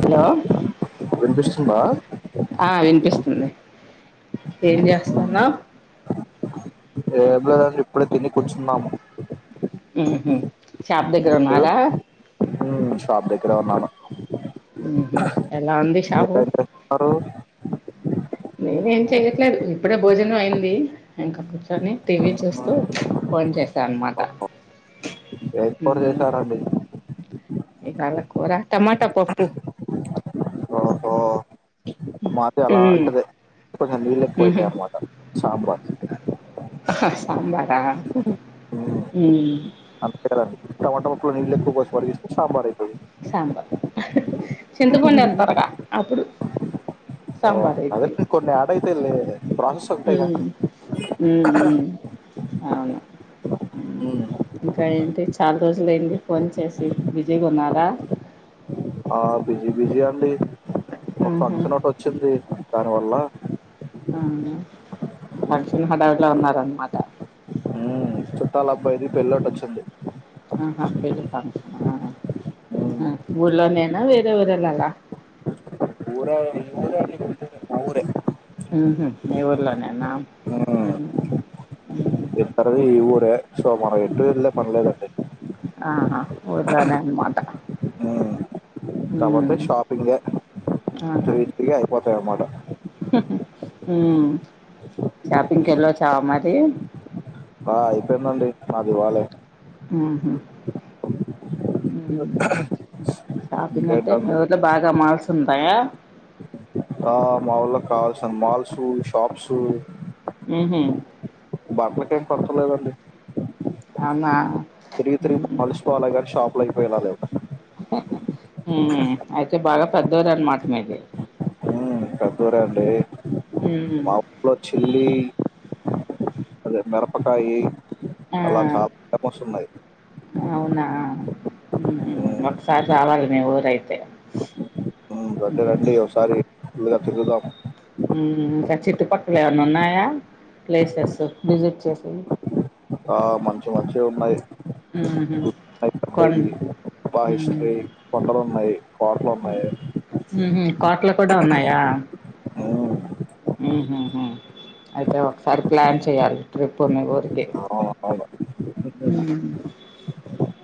Hello వినిపిస్తుందా ఆ వినిపిస్తుంది ఏం చేస్తానావ్ ఏమి లేదండి ఇప్పుడే తిని కూర్చున్నాము ఉహు షాప్ దగ్గర మీరు ఉన్నారా ఉమ్, [inaudible] ఉహ్మ్ ఎలా ఉందిషాపు మీరేం చేస్తున్నారు నే ఏం చెయ్యట్లేదు ఇప్పుడే భోజనం అయింది ఇంకా కూర్చొని టీవీ చూస్తూ ఫోన్ చేస అని మాట ఏం కూర చేసారండి ఇవాల కూరా టమాటా పప్పు ఓహో మాది ఉమ్ అలాంటిదే కొంచెం నీళ్ళు ఉహు ఎక్కువైతాయి అన్నమాట సాంబార్ సాంబారా అంతేనండి టమాటా ముక్కలో నీళ్ళు ఎక్కువ పోసి మరిగిస్తే సాంబార్ ఇడ్లీ సాంబార్ చింతపండు వేతరుగా అప్పుడు సాంబార్ అదే అయిద్ది కొన్ని ఎడ్ అయితయిలే ప్రాసెస్ ఒకటేగా ఉమ్ ఉమ్ ఉమ్ అవును ఉ ఇంకా ఏంటి చాలా రోజులు ఏంది ఫోన్ చేసి బిజీగా ఉన్నా ర బిజి అండి ఒక ఫంక్షన్ ఒటి వచ్చింది దానివల్ల ఆ ఫంక్షన్ హడవులో ఉన్న అన్నమాట ఉమ్ చుట్టాల అబ్బాయిది పెళ్ళోటోచ్చింది ఆహా పెళ్లికను ఉమ్ మ ఊళ్ళోనేనా వేరెవురెళ్లల ఊర ఉహు మీఊర్లోనేనా సరది ఈ ఊరే సో మనం ఎటు అల్లే పనీలేదండి ఆహా ఊర్లోనే అనమాటా కాకపోతే షాపింగే ఆహా జేతిగా అయిపోతాయి అనమాట ఉమ్ షాపింగ్కెల్లోచ్చ మరి ఆ అయిపోయిందండి మాది ఇవ్వాలే ఉహు ఉమ్ షాపింగ్ అంటే మీ ఇంకేంటండి ఊర్లో బాగా మాల్స్ ఉంటాయా ఆ మావుల్లో కావలసినన్ని మాల్సు షాప్సు ఉహు బట్టలకేం కొరత లేదండి అమా తిరిగి తిరిగి అలసిపోవాలే గాని షాప్లు అయిపోయేలా లెవ్ పెద్దూరే అనమాట మీది ఉమ్ పెద్దూరే అండి హ్మ్. మా ఊల్లో చిల్లి అదే మిరపకాయ్ ఆ! అల కపమోస్తున్నాయి ఉహు ఒకసారి రావాలి మీ ఊరైతే ఉమ్ రండి హ్మ్. రండి ఓసారి ఫుళ్ళుగా తిరుగుదాం ఉహు ఇంకా చుట్టుపక్కల ఏమన్న ఉన్నాయా ప్లేసెస్ విజిట్ చేసేవీ ఆ మంచి మంచి ఉన్నాయి ఉహు అద్దయి బా హిస్ట్రీ కొండలు ఉన్నాయి కోటలు ఉన్నాయి ఉహు కోట్లు కూడా ఉన్నాయా మ్మ్. ఉహ్ అయితే ఒకసారి ప్లాన్ చేయ్యాలి ట్రిప్పునే కోరి తే అవును, అవును. ఉ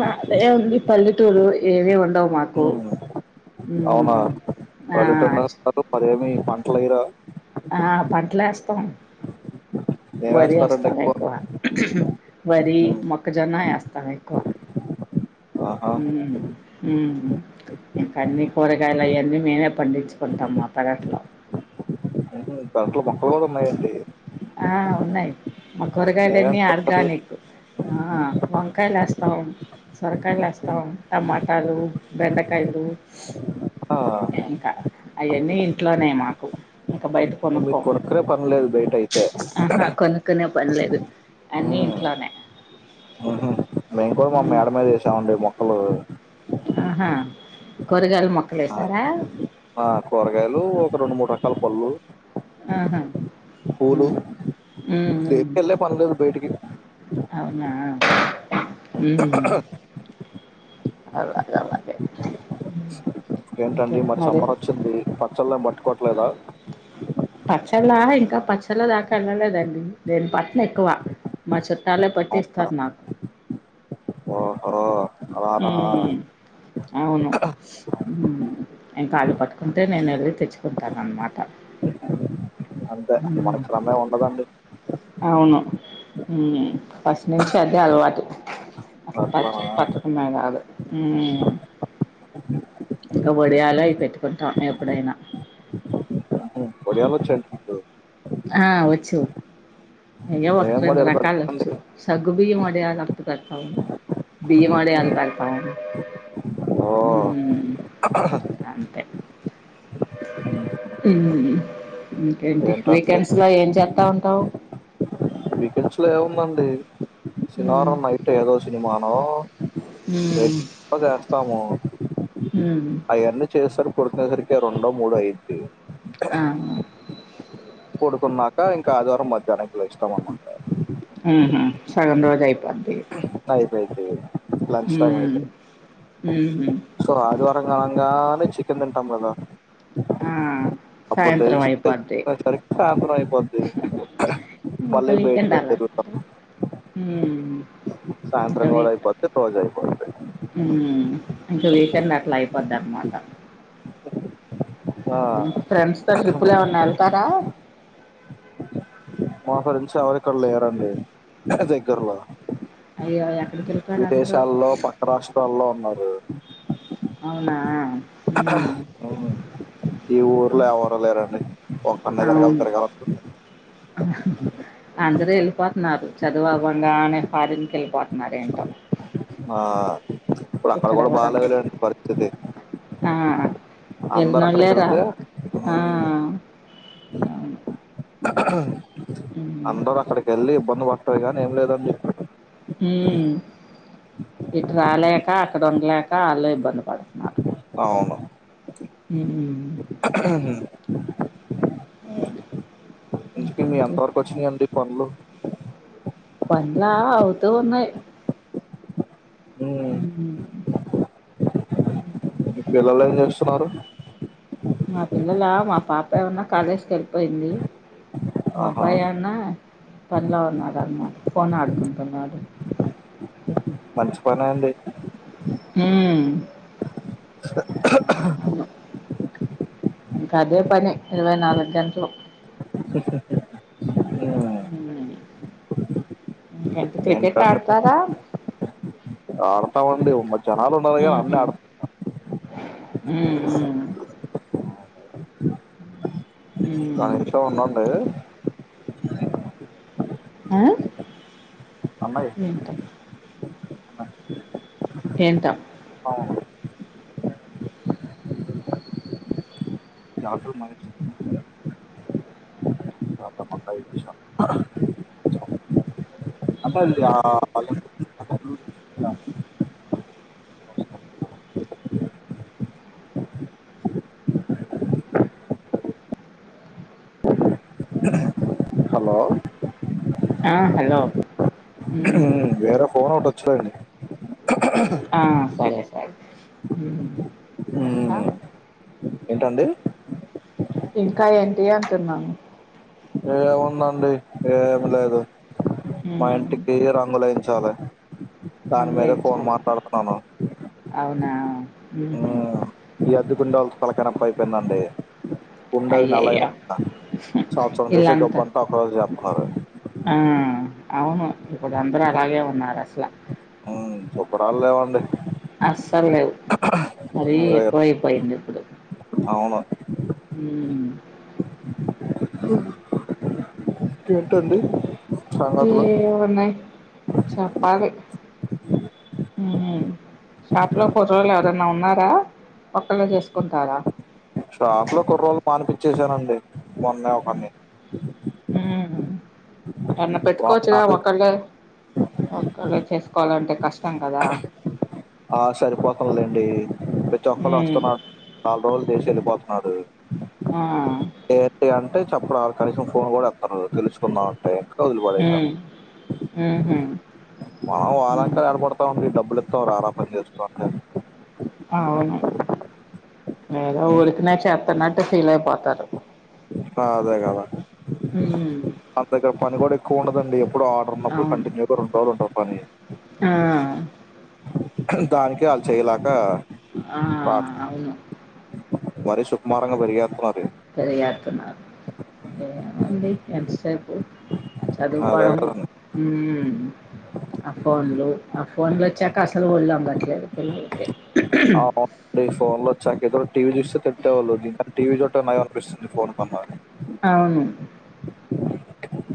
మదేముంది పల్లెటూరు ఏవి ఉండవు మాకు మ్మ్. అవునా హ్మ్. ఆ! చ్ పల్లెటన్నారు మరేమి పంటలు ఎయిర ఆ ప్యాంట్లేస్త ఏం వరి వేస్తారండి ఎస్తాం ఎక్కువ వరి మ్మ్. మొక్కజొన్న ఏస్తాం ఎక్కువ ఆహా ఉమ్ ఉమ్ ఇంకా అన్నీ కూరగాయలు ఆయనీ మేమే పండించుకుంటాం మా పెరట్లో దాంట్లో మొక్కలు కూడా ఉన్నాయండి ఆ ఉన్నాయి మా ఏమేమి కూరగాయలన్నీ కొనుక్కోరు? ఆర్గానిక్ ఆ వంకాయలు వేస్తాం సొరకాయలు ఉమ్, వేస్తాం టమాటలు బెండ కాయలు ఆ, ఇంకా అయ్యాన్నీ ఇంట్లోనే మాకు బయట మీరు కొనుక్కోం కొనుక్కునే పన్లేదు బయటైతే పన్లేదు అన్నీ ఇంట్లోనే ఉహు మేము కూడా మా మ్మ్ మేడ మీద ఎసామండి మొక్కలు ఆహా కూరగాయల మొక్కలు ఏసారా ఆ కూరగాయలూ ఒక రొండు మూడు రకాల పళ్ళు ఆహా హమ్ పూలు ఉమ్మ్ మ్మ్ దేనికెళ్ళే పని లేదు బయటికి అవునా హమ్ అలాగలాగే ఏంటండి మరి సమ్మర్ ఒచ్చింది పచ్చళ్ళ ఏం పట్టుకోట్లేదా. పచ్చళ్ళా ఇంకా పచ్చళ్ళ దాకా ఎళ్ళలేదండి నేన్ పట్నేక్కువ మా చుట్టాలే అవునా పట్టిస్తార్ నాకు. అ అలానా ఉమ్ అవును మ్మ్ ఇంకాళ్ళు పట్టుకుంటే నేను ఎళ్ళి తెచ్చుకుంటానన్నమాట. [inaudible] అంతే [unintelligible] ఉండదండి. అవును హ్మ్ ఫస్ట్ నుంచి అదే అలవాటు. అట్లు అట్లానా పచ్చడి పట్టుకుండంరాదు మ్మ్... ఇంక వొడియాలయి పెట్టుకుంటాం ఎప్పుడైన. ఒడియాలొచ్చా అండి మీకూ. ఆ ఒచ్చు ఎయో ఒకటి ఏమేమి రెండు వడియాలు పెడతారండి రకాలొచ్చు. సగ్గు బియ్యం ఒడియాలొకటి పెడతాం బియ్యం ఒడియాలు పెడతాం. ఓ మ్మ్ ఇంకన్తే. మ్మ్ ఇంకేంటి. ఏంటండి వీకెండ్స్లో ఏం చేత్తా ఉంటవ్. కెండ్స్లో ఏముందండీ మ్మ్ శనివారం నైట్ ఏదో సినిమానో మ్మ్ [unintelligible] చేస్తాము మ్మ్ అయన్నీ చేసరిక్ పడుకునేసరికి రొండో మూడో అయిద్ధీ. ఆ పడుకున్నాక ఇంకా ఆదివారం మధ్యాహ్ననికి లేస్తం అన్న మాట. ఉహూ సగం రోజు అయిపోద్ధీ. [unintelligible] లంచ్ టైమ్ అయిత ఊహూ సో ఆదివారం కనంగానే చికెన్ తింటాం గదా. మ్మ్ అప్పుడు తెలిసి సరికి సాయంత్రం అయిపోద్ది. ఇంకా మళ్ళీ వీకెండ్ బయటికెళ్లి అలా తిరుగుతాం. [unintelligible] మ్మ్ సాయంత్రం కూడా అయిపోద్ది రోజు అయిపోద్ది ఇంకా వీకెండ్ అట్లా అయిపోదన్నమాట. ఆ ఫ్రెండ్స్ తో ట్రిప్పులేమన్నా ఎళ్తారా. మా ఫ్రెండ్స్ ఎవరిక్కడ లేరండీ దగ్గర్లో. అయ్యో అది అక్కడి విదేశాల్లో పక్క రాష్ట్రాల్లో ఉన్నారు. అవునా మ్మ్ ఈ ఊర్లో ఎవరు లేరండి ఒక్కన్నే తిరగాలి అవును తిరగాలను అందరూ ఎళ్ళిపోతున్నారు చదువు అవ్వంగానె అనే ఫారిన్కి ఎళ్ళిపోతున్నారు ఏంటో ఆ ఇప్పుడక్కడ ఇక్కడ కూడా ఎవరందరూ బాలేదులేండి పరిస్థితి. అందరు ఎల్నోల్లే అక్కడికి వెళ్తే రారు. ఆ ఉమ్, హ్మ్ అందరు అక్కడికెళ్ళి ఇబ్బంది పట్టమే కానీ ఏం లేదండి. మ్మ్ ఇటు రాలేక అక్కడ ఉండలేక ఆల్లే ఇబ్బంది పడుతున్నారు అవును మ్మ్ [unintelligible] ఎంత వరకొచ్చినయన్డీ పనులు. పన్లా అవుతూ ఉన్నాయ్. ఉమ్, హూహు [inaudible] మీ పిల్లలు ఏం చేస్తున్నారు మా పిల్లలా మా పాప ఏమన్నా కాలేజ్కి ఎళ్ళిపోయింది. మా ఆహా అబ్బాయాన్నా పన్లో ఉన్నాడన్నమాట పోన్ ఆడుకుంటున్నాడు మంచి పనే అండీ హూం అవును ఇంకా అదే పని ఇరవై నాలుగు గంటలు ఉమ్, ఊ ఇంకెంత క్రికెట్ ఏంటండి ఆడతారా ఆడతామండి ఉమ్మ జనాలు ఉండాల గానీ అన్నీ ఆడు. ఊఉ హ్మ్. కనీషం ఉండండీ ఇంకా ఆ అన్నయ్య ఏంటొ ఏంటా అవును [unintelligible] [inaudible] సరే అమ్మ, ఐదు నిమిషాలు. అంటే ఈ ఆ [inaudible] హలో ఆ హలో ఊమ్ త ఫోన ఓటి ఒచ్చిదండి ఆ సరే సరే ఊమ్ అఆ మ్మ్. ఏంటండి ఇంకా ఏంటీ అంటున్నాను ఏముందండి ఏమి లేదు మా హ్మ్. ఇంటికి రంగులేయించాలి దాని మీదే పనులేం ఫోన్ చాలా మాట్లాడుతున్నాను ఊహు మ్మ్. ఈ అద్దికుండోళ్లతో తలకై నొప్పైపోయిందండీ. ఉండేది నెలైన అయ్యయ్యో! [inaudible] సంవత్సరం చేసే ఈళ్ళంతా గబ్బంతా ఒక్కరోజు చేత్తున్నారు. ఆ అవును ఇప్పుడు అందరూ అలాగే ఉన్నారు అసల ఊ చూపరాళ్లేవండి అస్సల్ లేవు మరీ అదే కదా. ఎక్కువ అయిపోయింది అవును హ్మ్. ఏంటండి సంగతులు ఏమున్నయ్ చెప్పాలి హూ షాప్ లో కుర్రోల్లు ఎవరైనా ఉన్నారా, ఒక్కళ్ళే జేసుకుంటారా. చేసానండి మొన్నే ఒకన్ని ఏన్న పెట్టుకోవచ్చుగా నాదే ఒకళ్ళె ఒకళ్ళే చేసుకోవాలంటే కష్టం కదా ఆ సరిపోతన్లేండీ ప్రతి ఒక్కళ్ళు హ్మ్. వస్తున్నా [inaudible] నాలుగుఛ రోజులు చేస్ ఎల్. పోతున్నారూ ఆ! ఏటే అంటే చెప్పడాలు కనీసం ఫోన్ గూడా ఎత్తరు పిలుసుకుందామంటే ఊ ఊహు మనం ఆలెంకన ఏడ పడతాం ఈ డబ్బులు ఇత్తాం రారా పని చేసుకో అంటే. అవును. ఉమ్, తన్నట్టు ఫీలై పోతారు ఆ అదే గదా ఉమ్ అంతగ పని గూడా ఎక్కువ ఉండదండి ప్పుడో ఆర్డర్ ఉన్నప్పుడు అవును కంటిన్యూగా రెండు రోజులు ఉంటది పని. ఆ దానికే ఆళ్ చేయలాక ఆ అవును మరీ సుకుమారంగ పెరిగేత్తున్నారే పెరిగేతున్నారు ఏముంది ఎంతసేపు అ అదే చదువుకోడం కదండి ఊ ఆ ఫోన్లు, ఆ ఫోన్ల్ ఒచ్చాక అస్సలు ఒళ్లు ఒంగట్లేదు పిల్లలకి. ఆ ఫోన్ లో సాంకేతో టీవీ చూస్తే తింటే వాళ్ళు దీకని టీవీ చోట్ట నయం అనిపిస్తుంది ఫోన్ కన్నా అవును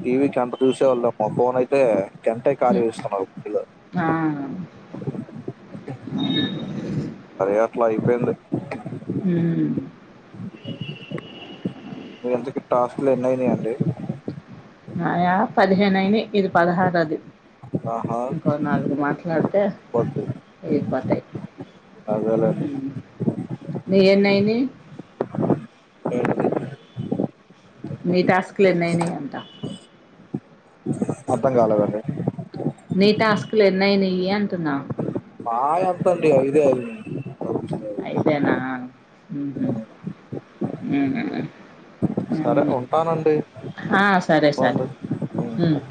టీవీ గంట చూసేవాళ్ళమ ఫోన్ అయితే గంటా ఖాళీ ఉమ్, వేస్తున్నారు ఇలా ఆ అరేట్లా అయిపోయింది ఉం మీ ఇంతకి టాస్లు ఎన్నైనాయి అండి నయా పదిహేను అయినాయి ఇది పదహారోది ఆహా ఇంకో నాలుగు మాట్లాడితే అయిపోతాయి అదే లెండి మీ ఎన్నైనాయి ఏంటది మీ టాస్క్లున్నాయి అంతా అర్థం కాల కండి నీ టాస్కులు ఎన్నయినా అంటున్నా నాయి ఎంత అండి ఐదే ఐదు ఐదు నా ఉహు ఉం ఉం సరే ఉంటానండి ఆ సరే సరే బాగుంది ఉమ్